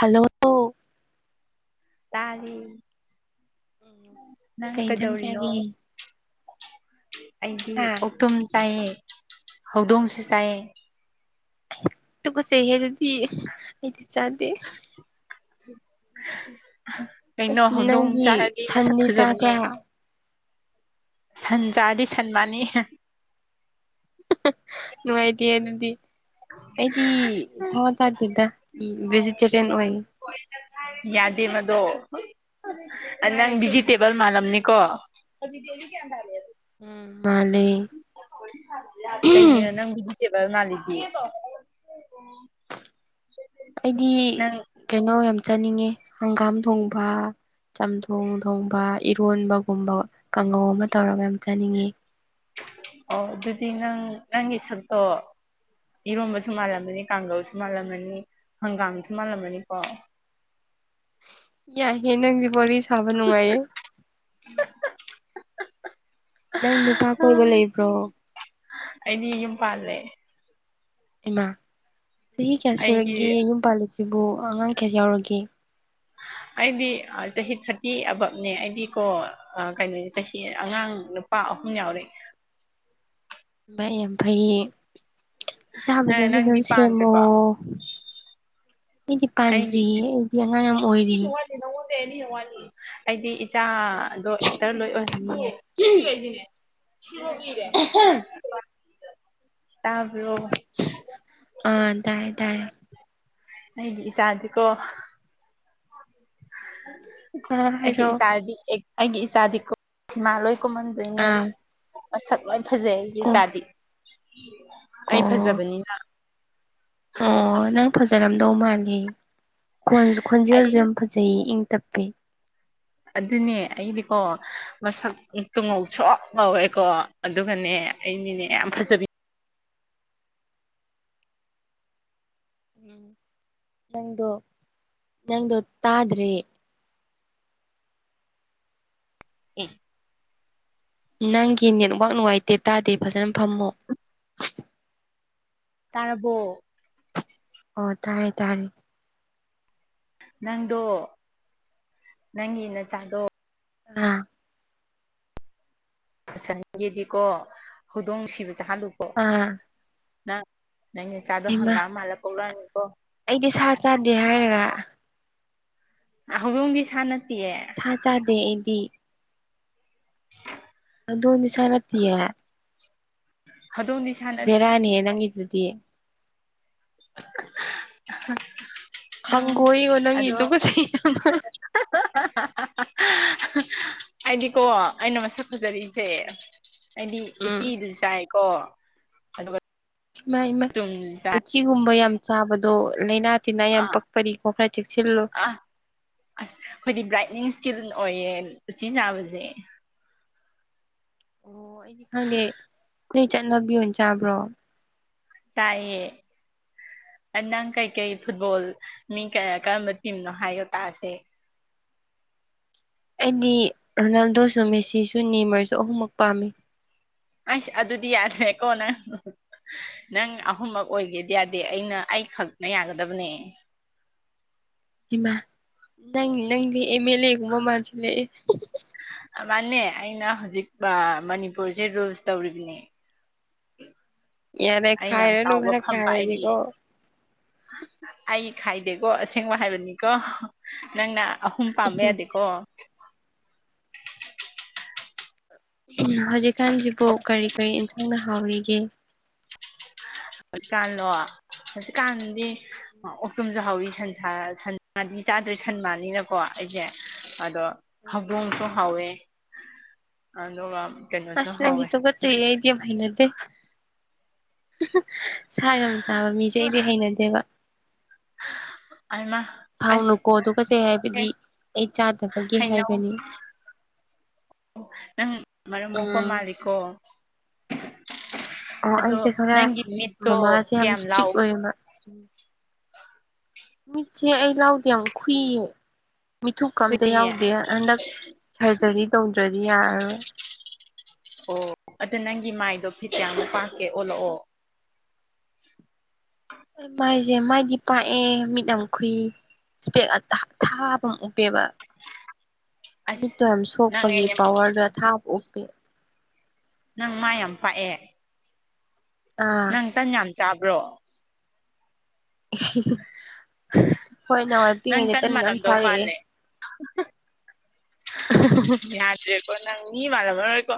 Hello ꯑꯣ ꯇꯥꯔꯦ ꯅꯪ ꯀꯩ ꯏꯟꯁꯥꯡ ꯀꯩꯗꯧꯔꯤꯅꯣ ꯆꯥꯒꯦ ꯑꯩꯗꯤ ꯍꯥ ꯑꯣꯛ ꯇꯨꯝ ꯆꯥꯏꯌꯦ ꯍꯧꯗꯣꯡꯁꯨ ꯆꯥꯏꯌꯦ ꯇꯨꯀꯆꯩꯍꯦ ꯑꯗꯨꯗꯤ ꯑꯩꯗꯤ ꯆꯥꯗꯦ ꯀꯩꯅꯣ ꯑꯁ ꯍꯧꯗꯣꯡ ꯅꯪꯒꯤ ꯆꯥꯔꯗꯤ ꯃꯁꯛ ꯁꯟꯗꯤ ꯐꯖꯕꯅꯦ ꯆꯥꯕ꯭ꯔꯥ ꯁꯟ ꯆꯥꯔꯗꯤ ꯁꯟ ꯃꯥꯅꯤ ꯅꯨꯡꯉꯥꯏꯇꯦ ꯑꯗꯨꯗꯤ ꯑꯩꯗꯤ ꯁꯥ ꯆꯥꯗꯦꯗꯥ ꯚꯦꯖꯤꯇꯦꯔꯤꯌꯟ ꯑꯣꯏꯌꯦ ꯌꯥꯗꯦꯕ ꯗꯣ ꯑ ꯅꯪ ꯚꯤꯖꯤꯇꯦꯕꯜ ꯃꯥꯜꯂꯝꯅꯤꯀꯣ ꯎꯝ ꯃꯥꯜꯂꯦ ꯀꯩꯩꯒꯤꯅꯣ ꯅꯪ ꯚꯤꯖꯤꯇꯦꯕꯜ ꯃꯥꯜꯂꯤꯗꯤ ꯑꯩꯗꯤ ꯅꯪ ꯀꯩꯅꯣ ꯌꯥꯝ ꯆꯥꯅꯤꯡꯉꯦ ꯍꯪꯒꯥꯝ ꯊꯣꯡꯕꯥ ꯆꯝꯊꯣꯡ ꯊꯣꯡꯕ ꯏꯔꯣꯟꯕꯒꯨꯝꯕ ꯀꯥꯡꯉꯧ ꯑꯃ ꯇꯧꯔꯒ ꯌꯥꯝ ꯆꯥꯅꯤꯡꯉꯤ ꯑꯣ ꯑꯗꯨꯗꯤ ꯅꯪ ꯅꯪꯒꯤ ꯁꯛꯇꯣ ꯏꯔꯣꯝꯕꯁꯨ ꯃꯥꯜꯂꯝꯃꯅꯤ ꯀꯥꯡꯒꯧꯁꯨ ꯃꯥꯜꯂꯝꯃꯅꯤ ꯍꯪꯒꯥꯝꯁꯨ ꯃꯥꯜꯂꯝꯃꯅꯤꯀꯣ ꯌꯥꯏꯍꯦ ꯅꯪꯁꯨ ꯋꯥꯔꯤꯁꯨ [unintelligible] ꯅꯪ ꯅꯨꯄꯥ ꯑꯥ ꯀꯣꯏꯕ ꯂꯩꯕ꯭ꯔꯣ ꯑꯩꯗꯤ ꯌꯨꯝ ꯄꯥꯜꯂꯦ ꯏꯃꯥ ꯆꯍꯤ ꯀꯌꯥ ꯑꯩꯒꯤ ꯁꯨꯔꯒꯦ ꯌꯨꯝ ꯄꯥꯜꯂꯤꯁꯤꯕꯨ ꯑꯉꯥꯡ ꯀꯌꯥ ꯌꯥꯎꯔꯒꯦ ꯑꯩꯗꯤ ꯆꯍꯤ ꯊꯥꯔꯇꯤ ꯑꯕꯞꯅꯦ ꯑꯩꯗꯤ ꯀꯣ ꯑ ꯀꯩꯅꯣ ꯆꯍꯤ ꯑꯉꯥꯡ ꯅꯨꯄꯥ ꯑꯍꯨꯝ ꯌꯥꯎꯔꯦ ꯏꯃꯥꯏ ꯌꯥꯝ ꯐꯩꯌꯦ ꯏꯆꯥ ꯐꯖ ꯅꯪ ꯅꯪꯗꯤ ꯐꯖꯅ ꯁꯦꯝꯃꯣ ꯄꯥꯟꯗ꯭ꯔꯤꯕꯣ ꯑꯩꯗꯤ ꯄꯥꯟꯗ꯭ꯔꯤꯌꯦ ꯑꯩꯗꯤ ꯑꯉꯥꯡ ꯌꯥꯝ ꯑꯣꯏꯔꯤ ꯇꯦ ꯅꯪꯉꯣꯟꯗꯩ ꯑꯩꯅ [inaudible] ꯋꯥꯅꯤ ꯑꯩꯗꯤ ꯏꯆꯥ ꯑꯗꯣ ꯑꯦꯛꯇꯔ ꯂꯣꯏ ꯑꯣꯏꯍꯟꯅꯤꯌꯦ ꯑꯗꯣ ꯁꯤꯒꯩ ꯁꯤꯅꯦ ꯁꯤꯕꯨꯛ ꯏꯔꯦ ꯑ ꯍꯝ ꯇꯥꯕ꯭ꯔꯣ ꯑ ꯇꯥꯔꯦ ꯇꯥꯔꯦ ꯑꯩꯒꯤ ꯏꯆꯥꯗꯤꯀꯣ ꯑꯥ ꯑꯩꯒꯤ ꯍꯥꯏꯔꯛꯑꯣ ꯏꯆꯥꯗꯤ ꯑꯦꯛ ꯑꯩꯒꯤ ꯏꯆꯥꯗꯤꯀꯣ ꯁꯤꯃꯥ ꯂꯣꯏ ꯀꯨꯝꯍꯟ ꯗꯣꯏꯅꯦ ꯑꯥ ꯃꯁꯛ ꯂꯣꯏ ꯐꯖꯩ ꯑꯩꯒꯤ ꯑꯣ ꯏꯆꯥꯗꯤ ꯑꯩ ꯑꯣ ꯐꯖꯕꯅꯤꯅ ꯑꯣ ꯅꯪ ꯐꯖꯔꯝꯗꯧ ꯃꯥꯜꯂꯦ ꯈꯣꯟꯁꯨ ꯈꯣꯟꯖꯦꯜꯁꯨ ꯑꯩ ꯌꯥꯝ ꯐꯖꯩꯌꯦ ꯏꯪꯇꯞꯄꯦ ꯑꯗꯨꯅꯦ ꯑꯩꯗꯤꯀꯣ ꯃꯁꯛꯇꯨ ꯉꯧꯁꯣꯛ ꯉꯧꯋꯦꯀꯣ ꯑꯗꯨꯒꯅꯦ ꯑꯩꯗꯤꯅꯦ ꯌꯥꯝ ꯐꯖꯕꯤ ꯎꯝ ꯅꯪꯗꯣ ꯅꯪꯗꯣ ꯇꯥꯗ꯭ꯔꯦ [inaudible] ꯅꯪꯒꯤ ꯅꯦꯠꯋꯥꯛ ꯅꯨꯡꯉꯥꯏꯇꯦ ꯇꯥꯗꯦ ꯐꯖꯅ ꯐꯝꯃꯣ ꯇꯥꯔꯕꯣ ꯑꯣ ꯇꯥꯔꯦ ꯇꯥꯔꯦ ꯅꯪꯗꯣ ꯅꯪꯒꯤ ꯅꯆꯥꯗꯣ ꯑꯥ [inaudible] ꯒꯤꯗꯤꯀꯣ ꯍꯧꯗꯣꯡ ꯅꯨꯡꯁꯤꯕꯁꯦ ꯍꯥꯠꯂꯨꯀꯣ ꯑꯥ ꯅꯪ ꯅꯪꯆꯥꯗꯣ ꯍꯩꯃꯥ ꯍꯪꯒꯥꯝ ꯃꯥꯜꯂꯒ ꯄꯣꯛꯂꯛꯑꯅꯤꯀꯣ ꯑꯩꯗꯤ ꯁꯥ ꯆꯥꯗꯦ ꯍꯥꯏꯔꯒ ꯍꯧꯗꫭꯡꯗꯤ ꯁꯥ ꯅꯠꯇꯤꯌꯦ ꯁꯥ ꯆꯥꯗꯦ ꯑꯩꯗꯤ ꯑꯗꯨꯗꯤ ꯁꯥ ꯅꯠꯇꯤꯌꯦ ꯑꯗꯨ [inaudible] ꯕꯦꯔꯥꯅꯤꯍꯦ ꯅꯪꯒꯤꯗꯨꯗꯤ [inaudible] ꯍꯪꯒꯣꯏꯉꯣ ꯅꯪꯒꯤ ꯑꯗꯣ ꯇꯨꯀꯠꯆꯩ ꯌꯥꯝꯅ ꯑꯩꯗꯤꯀꯣ ꯑꯩꯅ ꯃꯁꯛ ꯐꯖꯔꯤ [inaudible] ꯁꯦ ꯑꯩꯗꯤ ꯎꯝ ꯎꯆꯤꯁꯨ ꯆꯥꯏꯀꯣ ꯑꯗꯨꯒ ꯏꯃꯥꯏ ꯏꯃꯥꯏ ꯆꯨꯝꯗꯨꯁꯨ ꯆꯥꯏ ꯎꯆꯤꯒꯨꯝꯕ ꯌꯥꯝ ꯆꯥꯕꯗꯣ ꯂꯩꯅꯥ ꯇꯤꯅꯥ ꯌꯥꯝ ꯑꯥ ꯄꯛꯄꯔꯤꯀꯣ ꯈꯥ ꯆꯦꯛꯁꯤꯜꯂꯣ ꯑꯥ ꯑꯁ ꯈꯣꯏꯗꯤ ꯕ꯭ꯔꯥꯏꯠꯅꯤꯡ ꯁꯀꯤꯜ ꯑꯣꯏꯌꯦ ꯎꯆꯤ ꯆꯥꯕꯁꯦ ꯑꯣ ꯑꯩꯗꯤ ꯈꯪꯗꯦ ꯅꯣꯏ ꯆꯠꯅꯕꯤ ꯑꯣꯏ ꯆꯥꯕ꯭ꯔꯣ ꯆꯥꯏꯌꯦ ꯑꯥ ꯅꯪ ꯀꯩꯀꯩ ꯐꯨꯠꯕꯣꯜ ꯃꯤ ꯀꯌꯥ ꯀꯔꯝꯕ ꯇꯤꯝꯅꯣ ꯍꯥꯏꯌꯣ ꯇꯥꯁꯦ ꯑꯩꯗꯤ ꯔꯣꯅꯥꯜꯗꯣꯁꯨ ꯃꯦꯁꯤꯁꯨ ꯅꯤꯃꯥꯔꯁꯨ ꯑꯍꯨꯝꯃꯛ ꯄꯥꯝꯃꯤ ꯑꯩꯁ ꯑꯗꯨꯗꯤ ꯌꯥꯗ꯭ꯔꯦꯀꯣ ꯅꯪ ꯅꯪ ꯑꯍꯨꯝꯃꯛ ꯑꯣꯏꯒꯦꯗꯤ ꯌꯥꯗꯦ ꯑꯩꯅ ꯑꯩ ꯈꯛꯅ ꯌꯥꯒꯗꯕꯅꯦ ꯏꯃꯥ ꯅꯪꯒꯤ ꯅꯪꯗꯤ ꯑꯦꯝ ꯑꯦꯜ ꯑꯦ ꯒꯨꯝꯕ ꯃꯥꯟꯁꯤꯜꯂꯛꯑꯦ ꯑꯥ ꯃꯥꯅꯦ ꯑꯩꯅꯥ ꯍꯧꯖꯤꯛ ꯑꯥ ꯃꯅꯤꯄꯨꯔꯁꯦ ꯔꯨꯜꯁ ꯇꯧꯔꯤꯕꯅꯦ ꯌꯥꯔꯦ ꯑꯩ ꯌꯥꯝ ꯈꯥꯏꯔꯅꯨ ꯆꯥꯎꯕ ꯈꯔ ꯐꯝ ꯄꯥꯏꯔꯤ ꯈꯥꯏꯔꯗꯤꯀꯣ ꯑꯩ ꯈꯥꯏꯗꯦꯀꯣ ꯑꯁꯦꯡꯕ ꯍꯥꯏꯕꯅꯤꯀꯣ ꯅꯪꯅꯥ ꯑꯍꯨꯝ ꯄꯥꯝꯕ ꯌꯥꯗꯦꯀꯣ ꯍꯧꯖꯤꯛꯀꯥꯟꯁꯤꯕꯨ ꯀꯔꯤ ꯀꯔꯤ ꯏꯟꯁꯥꯡꯅ ꯍꯥꯎꯔꯤꯒꯦ ꯍꯧꯖꯤꯛꯀꯥꯟꯂꯣ ꯍꯧꯖꯤꯛꯀꯥꯟꯗꯤ ꯑꯣꯛꯇꯣꯝꯁꯨ ꯍꯥꯎꯋꯤ ꯁꯟ ꯁꯥ ꯁꯟꯃꯗꯤ ꯆꯥꯗꯔꯦ ꯁꯟ ꯃꯥꯟꯅꯤꯅꯀꯣ ꯑꯩꯁꯦ ꯑꯗꯣ ꯍꯧꯗꯣꯡꯁꯨ ꯍꯥꯎꯋꯦ ꯑꯗꯨꯒ ꯀꯩꯅꯣꯁꯨ ꯑꯁ ꯍꯥꯎꯋꯦ ꯅꯪꯗꯤ ꯇꯨꯀꯠꯆꯩꯍꯦ ꯑꯩꯗꯤ ꯌꯥꯝ ꯍꯩꯅꯗꯦ ꯁꯥ ꯌꯥꯝ ꯆꯥꯕ ꯃꯤꯁꯦ ꯑꯩꯗꯤ ꯍꯩꯅꯗꯦꯕ [inaudible] ꯑꯁ ꯁꯥꯎꯅꯨꯀꯣ ꯊꯨꯀꯠꯆꯩ ꯍꯥꯏꯕꯗꯤ ꯑꯩ ꯆꯥꯗꯕꯒꯤ ꯍꯩꯅꯧ ꯍꯥꯏꯕꯅꯤ ꯅꯪ ꯃꯔꯝ ꯃꯣꯛꯄ ꯎꯝ ꯃꯥꯂꯤꯀꯣ ꯑꯣ ꯑꯗꯣ ꯑꯩꯁꯦ ꯈꯔ ꯅꯪꯒꯤ ꯃꯤꯠꯇꯣ ꯃꯃꯥꯁꯦ ꯌꯥꯝ ꯀꯌꯥꯝ ꯂꯥꯎ ꯏꯁꯇ꯭ꯔꯤꯛ ꯑꯣꯏꯌꯦꯕ [inaudible] ꯃꯤꯠꯁꯦ ꯑꯩ ꯂꯥꯎꯗꯦ ꯌꯥꯝ ꯈꯨꯨꯏꯌꯦ ꯃꯤꯊꯨꯞꯀꯥ ꯑꯝꯇ ꯑꯩꯈꯣꯏꯒꯤ ꯌꯥꯎꯗꯦ ꯍꯟꯗꯛ ꯁꯔꯖꯔꯤ ꯇꯧꯗ꯭ꯔꯗꯤ ꯌꯥꯔꯔꯣꯏ ꯑꯣ ꯑꯗꯨ ꯅꯪꯒꯤ ꯃꯥꯏꯗꯣ ꯐꯤꯇ ꯀꯌꯥꯝ ꯄꯥꯛꯀꯦ ꯑꯣꯜꯂꯛꯑꯣ ꯑꯩ ꯃꯥꯏꯁꯦ ꯃꯥꯏꯗꯤ ꯄꯥꯛꯑꯦ ꯃꯤꯠ ꯌꯥꯝ ꯈꯨꯏ ꯁꯄꯦꯛ ꯑꯊꯥ ꯊꯥꯕ ꯑꯃ ꯎꯞꯄꯦꯕ ꯑꯁ ꯃꯤꯠꯇꯣ ꯌꯥꯝ ꯅꯪ ꯁꯣꯛꯄꯒꯤ ꯑꯩꯅ ꯄꯋꯥꯔꯗꯣ ꯑꯊꯥꯕ ꯎꯞ ꯅꯪ ꯃꯥꯏ ꯌꯥꯝ ꯄꯥꯛꯑꯦ ꯑꯥ ꯅꯪ ꯇꯟ ꯌꯥꯝ ꯆꯥꯕ꯭ꯔꯣ ꯍꯣꯏ ꯅꯍꯥꯟꯋꯥꯏ ꯄꯤꯛꯏꯉꯩꯗ ꯇꯟ ꯌꯥꯝ ꯆꯥꯔꯛꯑꯦ ꯎ [unintelligible] ꯌꯥꯗꯔꯦꯀꯣ ꯅꯪ ꯃꯤ ꯃꯥꯟꯂꯝꯃꯔꯣꯏꯀꯣ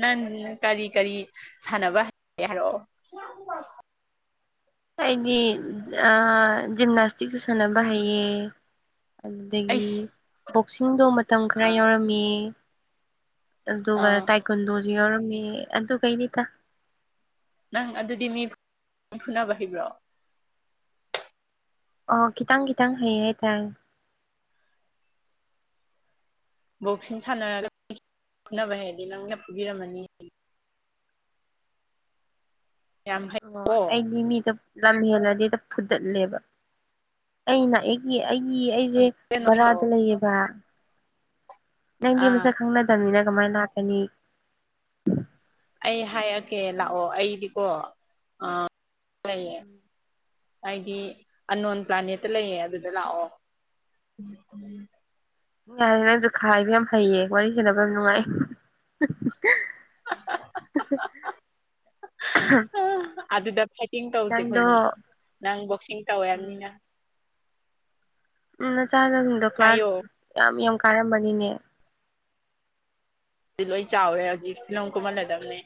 ꯅꯪ ꯀꯔꯤ ꯀꯔꯤ ꯁꯥꯟꯅꯕ ꯍꯩꯒꯦ ꯍꯥꯏꯔꯛꯑꯣ [unintelligible] ꯑꯩꯗꯤ ꯑꯥ ꯖꯤꯝꯅꯥꯁꯇꯤꯛꯁꯨ ꯁꯥꯅꯕ ꯍꯩꯌꯦ ꯑꯗꯨꯗꯒꯤ ꯑꯩꯁ ꯕꯣꯛꯁꯤꯡꯗꯣ ꯃꯇꯝ ꯈꯔ ꯑꯥ ꯌꯥꯎꯔꯝꯃꯤ ꯑꯗꯨꯒ ꯑꯥ ꯇꯥꯏꯀꯨꯟꯗꯣꯁꯨ ꯌꯥꯎꯔꯝꯃꯤ ꯑꯗꯨꯒꯩꯅꯤꯗ ꯅꯪ ꯑꯗꯨꯗꯤ ꯃꯤ ꯐꯨꯅꯕ ꯍꯩꯕ꯭ꯔꯣ ꯑꯣ ꯈꯤꯇꯪ ꯈꯤꯇꯪ ꯍꯩꯌꯦ ꯍꯥꯏ ꯇꯥꯏ ꯕꯣꯛꯁꯤꯡ ꯁꯥꯟꯅꯔꯒ [inaudible] ꯐꯨꯅꯕ ꯍꯩꯔꯗꯤ ꯅꯪꯅ ꯐꯨꯕꯤꯔꯝꯃꯅꯤ ꯌꯥꯝ ꯍꯩ ꯑꯣ ꯑꯩꯗꯤ ꯃꯤꯗ ꯂꯝꯍꯦꯜꯂꯗꯤꯗ ꯐꯨꯗꯠꯂꯦꯕ ꯑꯩꯅ ꯑꯩ ꯑꯩꯒꯤ ꯑꯩꯒꯤ ꯑꯩꯁꯦ ꯕꯔꯥꯗ ꯂꯩꯌꯦꯕ ꯅꯪꯗꯤ ꯑꯥ ꯃꯁꯛ ꯈꯪꯅꯗꯕꯅꯤꯅ ꯀꯃꯥꯏꯟ ꯂꯥꯛꯀꯅꯤ ꯑꯩ ꯍꯥꯏꯔꯛꯀꯦ ꯂꯥꯛꯑꯣ ꯑꯩꯗꯤꯀꯣ ꯑꯥ [inaudible] ꯂꯩꯌꯦ ꯑꯩꯗꯤ ꯑꯟꯅꯣꯟ ꯄ꯭ꯂꯥꯅꯦꯠꯇ ꯂꯩꯌꯦ ꯑꯗꯨꯗ ꯂꯥꯛꯑꯣ ꯌꯥꯔꯦ ꯅꯪꯁꯨ ꯈꯥꯏꯕ ꯌꯥꯝ ꯍꯩꯌ‌ꯦ ꯋꯥꯔꯤ ꯁꯥꯟꯅꯕ ꯌꯥꯝ ꯅꯨꯡꯉꯥꯏ ꯑꯥ ꯑꯗꯨꯗ ꯐꯥꯏꯠꯇꯤꯡ ꯇꯧꯁꯦ ꯅꯪꯗꯣ ꯑꯩꯈꯣꯏꯅꯤ ꯅꯪ ꯕꯣꯛꯁꯤꯡ ꯇꯧꯋ‌ꯦꯝꯅꯤꯅ ꯎꯝ ꯅꯆꯥꯅꯁꯤꯡꯗꯣ ꯍꯥꯏꯌꯣ ꯀ꯭ꯂꯥꯁ ꯌꯥꯝ ꯌꯥꯝ ꯀꯥꯔꯝꯃꯅꯤꯅꯦ ꯁꯤ ꯂꯣꯏ ꯆꯥꯎꯔꯦ ꯍꯧꯖꯤꯛ ꯐꯤꯂꯝ ꯀꯨꯝꯍꯂꯗꯕꯅꯦ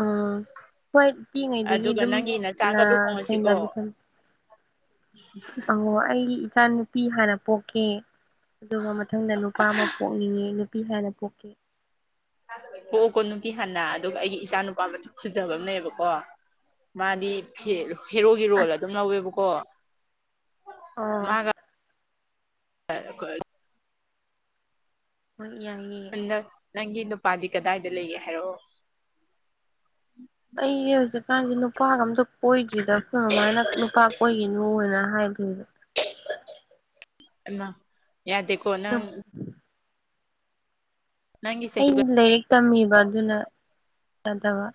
ꯑꯥ ꯍꯣꯏ ꯄꯤꯛꯏꯉꯩꯗꯒꯤ ꯑꯗꯨꯒ ꯑꯗꯨꯝ ꯅꯪꯒꯤ ꯅꯆꯥꯒ ꯂꯨꯍꯣꯡꯉꯁꯤꯀꯣ ꯍꯩꯅꯕꯤ [unintelligible] ꯑꯣ ꯑꯩꯒꯤ ꯏꯆꯥ ꯅꯨꯨꯄꯤ ꯍꯥꯟꯅ ꯄꯣꯛꯀꯦ ꯑꯗꯨꯒ ꯃꯊꯪꯗ ꯅꯨꯄꯥ ꯑꯃ ꯄꯣꯛꯅꯤꯡꯉꯦ ꯅꯨꯄꯤ ꯍꯥꯟꯅ ꯄꯣꯛꯀꯦ ꯄꯣꯛꯑꯣꯀꯣ ꯅꯨꯄꯤ ꯍꯥꯟꯅ ꯑꯗꯨꯒ ꯑꯩꯒꯤ ꯏꯆꯥ ꯅꯨꯄꯥ ꯃꯁꯛ ꯐꯖꯕ ꯑꯝ ꯂꯩꯌ‌ꯦꯕꯀꯣ ꯃꯥꯗꯤ ꯐ‌ꯦ ꯑꯣ ꯍꯦꯔꯣꯒꯤ ꯔꯣꯜ ꯑꯗꯨꯝ ꯑꯁ ꯂꯧꯋꯦꯕꯀꯣ ꯑꯣ ꯃꯥꯒ [inaudible] ꯑ ꯑ ꯍꯣꯏ ꯌꯥꯏꯌꯦ ꯅ ꯅꯪꯒꯤ ꯅꯨꯄꯥꯗꯤ ꯀꯗꯥꯏꯗ ꯂꯩꯒꯦ ꯍꯥꯏꯔ‌ꯣꯑꯣ ꯑꯩꯖ‌ꯦ ꯍꯧꯖꯤꯛꯀꯥꯟꯖ‌ꯦ ꯅꯨꯄꯥꯒ ꯑꯝꯇ ꯀꯣꯏꯗ꯭ꯔꯤꯗ ꯈꯣꯏ ꯃꯃꯥꯅ ꯅꯨꯄꯥ ꯀ‌ꯣꯏꯒꯤꯅꯨ ꯍꯥꯏꯅ ꯍꯥꯏꯕꯤꯕ ꯑꯩꯃꯥ ꯌꯥꯗ‌ꯦꯀ‌ꯣ ꯅꯪ ꯅꯪꯒꯤ ꯆꯍꯤꯒ ꯑꯩꯗꯤ ꯂꯥꯏꯔꯤꯛ ꯇꯝꯃꯤꯕ ꯑꯗꯨꯅ ꯌꯥꯗꯕ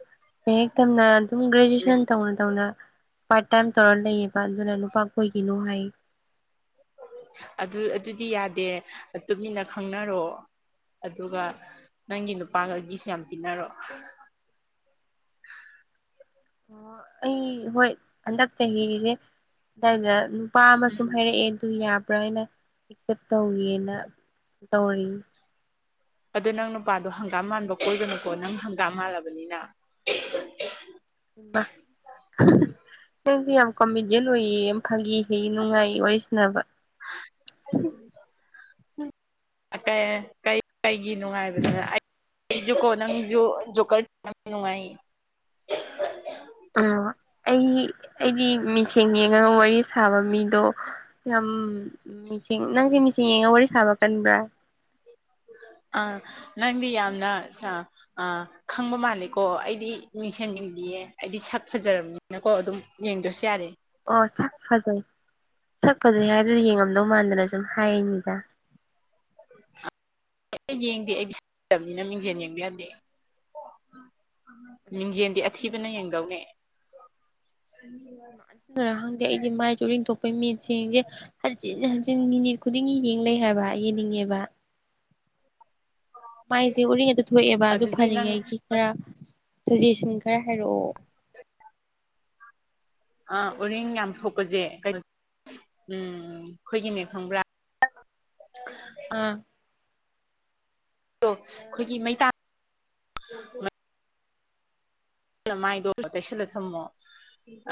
ꯂꯩꯔꯤꯛ ꯇꯝꯅ ꯑꯗꯨꯝ ꯒ꯭ꯔꯦꯖꯨꯑꯦꯁꯟ ꯇꯧꯅ ꯇꯧꯅ ꯄꯥꯔ꯭ꯠ ꯇꯥꯏꯝ ꯇꯧꯔ ꯂꯩꯌꯦꯕ ꯑꯗꯨꯅ ꯅꯨꯄꯥ ꯀ‌ꯣꯏꯒꯤꯅꯨ ꯍꯥꯏ ꯑꯗꯨ ꯑꯗꯨꯗꯤ ꯌꯥꯗꯦ ꯇꯨꯃꯤꯟꯅ ꯈꯪꯅꯔ‌ꯣ ꯑꯗꯨꯒ ꯅꯪꯒꯤ ꯅꯨꯄꯥꯒ ꯒꯤꯞꯁ ꯌꯥꯝ ꯄꯤꯟꯅꯔꯣ ꯑꯣ ꯑꯩ ꯍꯣꯏ ꯍꯟꯗꯛ ꯆꯍꯤꯁꯦ ꯑꯗꯥꯏꯗ ꯅꯨꯞ ꯅꯨꯄꯥ ꯑꯃ ꯁꯨꯝ ꯎꯝ ꯍꯥꯏꯔ‌ꯦꯑꯦ ꯑꯗꯨ ꯌꯥꯕ꯭ꯔꯥ ꯍꯥꯏꯅ ꯑꯦꯛꯁꯦꯞ ꯇꯧꯒ‌ꯦꯅ ꯇꯧꯔꯤ ꯑꯗꯣ ꯅꯪ ꯅꯨꯄꯥꯗꯣ ꯍꯪꯒꯥꯝ ꯃꯥꯟꯕ ꯀꯣꯏꯒꯅꯨꯀꯣ ꯅꯪ ꯍꯪꯒꯥꯝ ꯃꯥꯜꯂꯕꯅꯤꯅ ꯎꯝ ꯕꯥ ꯅꯪꯁꯦ ꯌꯥꯝ ꯀꯣꯃꯦꯗꯤꯌꯟ ꯑꯣꯏꯌꯦ ꯌꯥꯝ ꯐꯒꯤ ꯍꯩꯌ‌ꯦ ꯅꯨꯡꯉꯥꯏꯌ‌ꯦ ꯋꯥꯔꯤ ꯁꯟꯅꯕ ꯑꯥ [unintelligible] ꯀꯩꯒꯤ ꯅꯨꯡꯉꯥꯏꯕꯗꯅ ꯑꯩ ꯁꯤꯖꯨꯀꯣ ꯅꯪꯖꯨ ꯖ‌ꯣꯀꯔ [unintelligible] ꯅꯨꯡꯉꯥꯏ ꯑꯣ ꯑꯩ ꯑꯩꯗꯤ ꯃꯤꯁ‌ꯦꯡ ꯌꯦꯡꯉꯒ ꯋꯥꯔꯤ ꯁꯥꯕ ꯃꯤꯗꯣ꯫ ꯌꯥꯝ ꯃꯤꯁ‌ꯦꯡ ꯅꯪꯖ‌ꯦ ꯃꯤꯁ‌ꯦꯡ ꯌꯦꯡꯉ ꯋꯥꯔꯤ ꯁꯥꯕ ꯀꯟꯕ꯭ꯔꯥ꯫ ꯑꯥ ꯅꯪꯗꯤ ꯌꯥꯝꯅ ꯁꯥ ꯑ ꯈꯪꯕ ꯃꯥꯜꯂꯦꯀꯣ ꯑꯩꯗꯤ ꯃꯤꯡꯁꯦꯟ ꯌ‌ꯦꯡꯗꯤꯌꯦ ꯑꯩꯗꯤ ꯁꯛ ꯐꯖꯔꯝꯅꯤ ꯅꯀꯣ ꯑꯗꯨꯝ ꯌꯦꯡꯗ꯭ꯔꯥꯁꯨ ꯌꯥꯔꯦ꯫ ꯑꯣ ꯁꯛ ꯐꯖꯩ ꯁꯛ ꯐꯖꯩ ꯍꯥꯏꯕꯗꯨ ꯌꯦꯡꯉꯝꯗꯧ ꯃꯥꯟꯗꯅ ꯁꯨꯝ ꯍꯥꯏꯅꯤꯗ꯫ [inaudible] ꯌꯦꯡꯗꯦ ꯑꯩ [inaudible] ꯅꯤꯅ ꯃꯤꯡꯖꯦꯟ ꯌꯦꯡꯕ ꯌꯥꯗꯦ꯫ ꯃꯤꯡꯖꯦꯟꯗꯤ ꯑꯊꯤꯕꯅ ꯌꯦꯡꯗꯧꯅꯦ꯫ ꯑꯗꯨꯅꯔ ꯈꯪꯗꯦ ꯑꯩꯗꯤ ꯃꯥꯏꯖꯦ ꯎꯔꯤꯡ ꯊꯣꯛꯄꯩ ꯃꯤꯠꯁꯦꯡꯖꯦ ꯍꯟꯖꯤꯟ ꯍꯟꯖꯤꯟ ꯃꯤꯅꯤꯠ ꯈꯨ ꯇꯤꯡꯏ ꯌꯦꯡ ꯂꯩ ꯍꯥꯏꯕ ꯌꯦꯡꯅꯤꯡꯉꯦꯕ ꯃꯥꯏꯖꯦ ꯎꯔꯤꯡ ꯍꯦꯛꯇ ꯊꯣꯛꯑꯦꯕ ꯑꯗꯨ ꯑꯗꯨꯗꯤ ꯅꯪ ꯐꯥꯅꯤꯡꯉꯩꯒꯤ ꯈꯔ ꯁꯖꯦꯁꯟ ꯈꯔ ꯍꯥꯏꯔꯛꯑꯣ ꯑꯥ ꯎꯔꯤꯡ ꯌꯥꯝ ꯊꯣꯛꯄꯖꯦ [inaudible] ꯎꯝ ꯈꯣꯏꯒꯤꯅꯦ ꯈꯪꯕ꯭ꯔꯥ [inaudible] ꯑ ꯇꯣ ꯈꯣꯏꯒꯤ ꯃꯩꯇꯥ [inaudible] ꯅ ꯃꯥꯏꯗꯣ ꯇꯩꯁꯜꯂ ꯊꯝꯃꯣ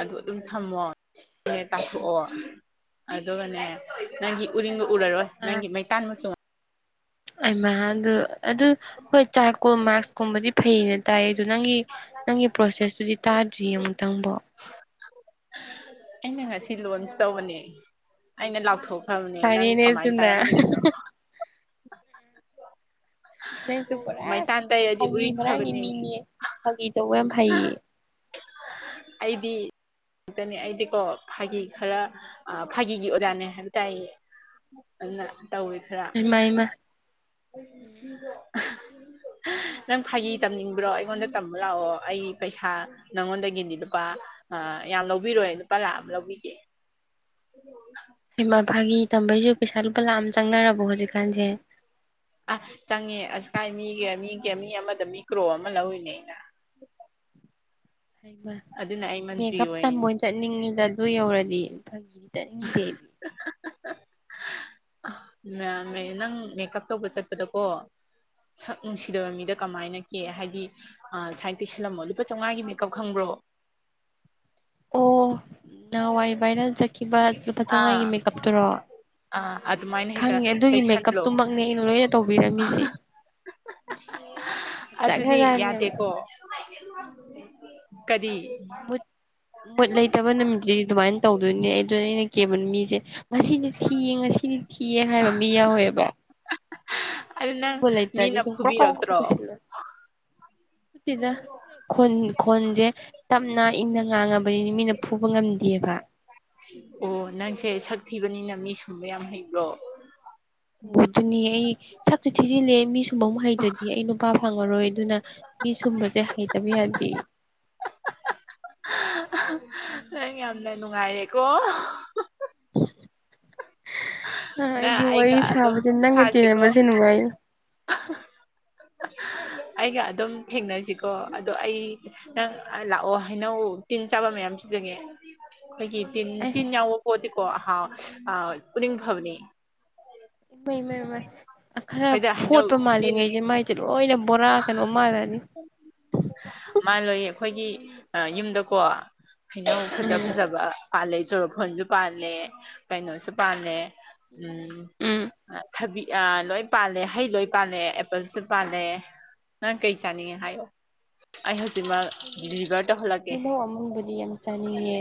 ꯑꯗꯨ ꯑꯗꯨꯝ ꯊꯝꯃꯣ [inaudible] ꯇꯥꯊꯣꯛꯑꯣ ꯑꯗꯨꯒꯅꯦ ꯅꯪꯒꯤ ꯎꯔꯤꯡꯗꯣ ꯎꯔꯔꯣꯏ ꯑꯥ ꯅꯪꯒꯤ ꯃꯩꯇꯥꯟ ꯃꯆꯨ ꯑꯩꯃ ꯑꯗꯨ ꯑꯗꯨ ꯍꯣꯏ ꯆꯥꯔꯀꯣꯜ ꯃꯥꯛꯁꯀꯨꯝꯕꯗꯤ ꯐꯩꯌꯦ ꯇꯥꯏꯌꯦ ꯑꯗꯨ ꯅꯪꯒꯤ ꯅꯪꯒꯤ ꯄ꯭ꯔꯣꯁꯦꯁꯇꯨꯗꯤ ꯇꯥꯗ꯭ꯔꯤꯌꯦ ꯑꯃꯨꯛꯇꯪꯕꯣ ꯑꯩꯅ ꯉꯁꯤ ꯂꯣꯟꯁ ꯇꯧꯕꯅꯦ ꯑꯩꯅ ꯂꯥꯎꯊꯣꯛꯈ꯭ꯔꯕꯅꯦ ꯅꯪ ꯐꯔꯦꯅꯦ ꯀꯃꯥꯏꯅ ꯑꯗꯨꯅ ꯇꯥꯔꯝꯗ꯭ꯔꯤꯅꯣ ꯅꯪꯖꯨ ꯄꯨꯔꯥ ꯃꯩꯇꯥꯟ ꯇꯩꯔꯗꯤ ꯐꯪꯒꯤ ꯎꯔꯤꯡ ꯐꯔꯥꯡꯒꯤ ꯐꯕꯅꯤ ꯃꯤꯅꯦ ꯐꯪꯒꯤ ꯇꯧꯕ ꯌꯥꯝ ꯍꯩꯌꯦ ꯑꯩꯗꯤ ꯇꯅꯦ ꯑꯩꯗꯤꯀꯣ ꯐꯥꯒꯤ ꯈꯔ ꯑ ꯐꯥꯒꯤꯒꯤ ꯑꯣꯖꯥꯅꯦ ꯍꯥꯏꯕ ꯇꯥꯏꯌꯦ꯫ ꯑꯅ ꯇꯧꯏ ꯏꯃꯩꯃ ꯑꯩꯒꯤ ꯃꯤꯗꯣ ꯅꯪ ꯐꯥꯒꯤ ꯇꯝꯅꯤꯡꯕ꯭ꯔꯣ ꯑꯩꯉꯣꯟꯗ ꯇꯝꯕ ꯂꯥꯛꯑꯣ ꯑꯩ ꯄꯩꯁꯥ ꯅꯉꯣꯟꯗꯒꯤꯗꯤ ꯂꯨꯄꯥ ꯑ ꯌꯥꯝ ꯂꯧꯕꯤꯔꯣꯏ ꯂꯨꯄꯥ ꯂꯥꯛ ꯑꯝ ꯂꯧꯕꯤꯒꯦ꯫ ꯏꯃꯥ ꯐꯥꯒꯤ ꯇꯝꯕꯩꯖꯨ ꯄꯩꯁꯥ ꯂꯨꯄꯥ ꯂꯥꯛ ꯑꯝ ꯆꯪꯅꯔꯕꯣ ꯍꯧꯖꯤꯛꯀꯥꯟꯖꯦ ꯑꯥ ꯆꯪꯉꯦ ꯑꯁꯀꯥꯏ ꯃꯤꯒ ꯃꯤꯒ ꯃꯤ ꯑꯃꯥꯗ ꯃꯤ ꯀ꯭ꯔꯣ ꯑꯃꯥ ꯂꯧꯔꯤꯅꯦ ꯑꯩꯅ ꯍꯩꯃꯥ ꯑꯗꯨꯅ ꯑꯩ ꯃꯟꯇ꯭ꯔꯤ ꯃꯦꯀꯞ ꯇꯝꯕ ꯑꯣꯏꯔꯤꯅꯦ ꯑꯣꯏꯅ ꯆꯠꯅꯤꯡꯏꯗ ꯑꯗꯨ ꯌꯧꯔꯗꯤ ꯐꯒꯤ ꯇꯅꯤꯡꯗꯦ ꯑꯩꯗꯤ [unintelligible] ꯃ꯭ꯌꯥꯝꯃꯦ ꯅꯪ ꯃꯦꯀꯞ ꯇꯧꯕ ꯆꯠꯄꯗꯀꯣ ꯁꯛ ꯅꯨꯡꯁꯤꯗꯕ ꯃꯤꯗ ꯀꯃꯥꯏꯅ ꯀꯦ ꯍꯥꯏꯗꯤ ꯑ ꯁꯥꯏꯟ ꯇꯩꯁꯜꯂꯝꯃꯣ ꯂꯨꯄꯥ ꯆꯧꯉꯥꯒꯤ ꯃꯦꯀꯞ ꯈꯪꯕ꯭ꯔꯣ ꯑꯣ ꯅꯍꯋꯥꯏ ꯕꯥꯏꯔꯦꯜ ꯆꯠꯈꯤꯕ ꯂꯨꯄꯥ ꯆꯧꯉꯥꯒꯤ ꯃꯦꯀꯞ ꯇꯨꯔꯣ ꯑ ꯑꯗꯨꯃꯥꯥꯏꯅ ꯍꯦꯛꯇ ꯇꯩꯁꯜꯂꯣ ꯃꯦꯀꯞꯇꯨꯃꯛꯅꯦ ꯑꯩꯅ ꯂꯣꯏꯅ ꯇꯧꯕꯤꯔꯝꯃꯤꯁꯦ ꯑꯗꯨꯗꯤ ꯐꯖꯈ꯭ꯔꯖꯥꯠꯅꯤ ꯌꯥꯝꯅ ꯌꯥꯗꯦꯀꯣ ꯀꯔꯤ ꯃꯨꯠ ꯃꯨꯠ ꯂꯩꯇꯕ ꯅꯨꯃꯤꯠꯇꯤꯗꯤ ꯗꯨꯃꯥꯏꯟ ꯇꯧꯗꯣꯏꯅꯦ ꯑꯗꯨꯅꯦ ꯑꯩꯅ ꯀꯦꯕ ꯃꯤꯖꯦ ꯉꯁꯤꯗꯤ ꯊꯤꯌꯦ ꯉꯁꯤꯗꯤ ꯊꯤꯌꯦ ꯍꯥꯏꯕ ꯃꯤ ꯌꯥꯎꯋꯦꯕ ꯑꯗꯨ ꯅꯪ ꯅꯤꯡꯕ ꯂꯩꯇ꯭ꯔꯗꯤ ꯃꯤꯅ ꯑꯗꯨꯝ ꯀ꯭ꯔꯣ ꯀ꯭ꯔꯣ ꯐꯨꯕꯤꯔꯛꯇ꯭ꯔꯣ ꯂꯣꯏꯁꯤꯜꯂꯦ ꯅꯠꯇꯦꯗ ꯈꯨꯟ ꯈꯣꯟꯖꯦ ꯇꯞꯅ ꯏꯪꯅ ꯉꯥꯡꯉꯕꯅꯤ ꯃꯤꯅ ꯐꯨꯕ ꯉꯝꯗꯦꯕ ꯑꯣ ꯅꯪꯁꯦ ꯁꯛ ꯊꯤꯕꯅꯤꯅ ꯃꯤ ꯁꯨꯝꯕ ꯌꯥꯝ ꯍꯩꯕ꯭ꯔꯣ ꯕꯣ ꯑꯗꯨꯅꯦ ꯑꯩ ꯁꯛꯆꯨ ꯊꯤꯖꯤꯜꯂꯦ ꯃꯤ ꯁꯨꯝꯕ ꯑꯃꯨꯛ ꯍꯩꯇ꯭ꯔꯥꯗꯤ ꯑꯩ ꯅꯨꯄꯥ ꯐꯪꯉꯔꯣꯏ ꯗꯨꯅ ꯃꯤ ꯁꯨꯝꯕꯖꯦ ꯍꯩꯇꯕ ꯌꯥꯗꯦ ꯅꯪ ꯌꯥꯝꯅ ꯅꯨꯡꯉꯥꯏꯔꯦꯀꯣ ꯑ ꯅꯪ ꯑꯩꯗꯤ ꯋꯥꯔꯤ ꯑꯩꯒ ꯑꯗꯨꯝ ꯁꯥꯕꯆꯦ ꯅꯪꯒ ꯁꯥꯁꯤꯀꯣ ꯇꯤꯟꯅꯕꯁꯦ ꯅꯨꯡꯉꯥꯏꯅ ꯑꯩꯒ ꯑꯗꯨꯝ ꯊꯦꯡꯅꯖꯤꯀꯣ ꯑꯗꯣ ꯑꯩ ꯅꯪ ꯑ ꯂꯥꯛꯑꯣ ꯍꯩꯅꯧ ꯇꯤꯟ ꯆꯥꯕ ꯃꯌꯥꯝ ꯄꯤꯖꯒꯦ ꯈꯣꯢꯒꯤ ꯇꯤꯟ ꯑꯦ ꯇꯤꯟ ꯌꯥꯎꯕ ꯄꯣꯠꯇꯤꯀꯣ ꯍꯥꯎ ꯑꯥ ꯎꯅꯤꯡ ꯐꯕꯅꯦ ꯏꯄꯩ ꯃꯩ ꯃꯩ ꯈꯔ ꯑꯩꯈꯣꯏꯗ ꯍꯩꯅꯧ ꯐꯣꯠꯄ ꯇꯤꯟ ꯃꯥꯜꯂꯤꯉꯩꯖꯦ ꯃꯥꯏ ꯆꯦ ꯂꯣꯏꯅ ꯕꯣꯔꯥ ꯀꯩꯅꯣ ꯃꯥꯜꯂꯅꯤ ꯃꯥꯜꯂꯣꯏꯌꯦ ꯈꯣꯏꯒꯤ ꯎꯝ ꯌꯨꯝꯗꯀꯣ ꯍꯩꯅꯧ ꯐꯖꯥ ꯐꯖꯥꯕ ꯄꯥꯜꯂꯦ ꯆꯣꯔꯣꯐꯣꯟꯖꯨ ꯄꯥꯜꯂꯦ ꯀꯩꯅꯣꯁꯨ ꯄꯥꯜꯂꯦ ꯎꯝ ꯎꯝ ꯑ‌ ꯊꯕꯤ ꯑ ꯂꯣꯏ ꯄꯥꯜꯂꯦ ꯍꯩ ꯂꯣꯏ ꯄꯥꯜꯂꯦ ꯑꯦꯄꯜꯁꯨ ꯄꯥꯜꯂꯦ ꯅꯪ ꯀꯩ ꯆꯥꯅꯤꯡꯉꯦ ꯍꯥꯏꯌꯣ ꯑꯩ ꯍꯖꯤꯛꯃꯛ ꯑꯩꯗꯤ ꯗꯤꯂꯤꯕꯔ ꯇꯧꯂꯒꯦ ꯍꯩꯅꯧ ꯑꯃꯨꯟꯕꯗꯤ ꯌꯥꯝ ꯆꯥꯅꯤꯡꯉꯦ